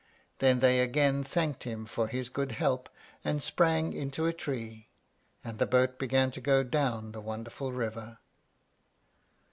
Then they again thanked him for his good help, and sprang into a tree, and the boat began to go down the wonderful river.